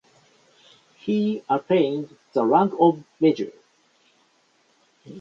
He attained the rank of major.